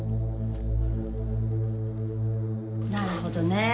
なるほどねぇ。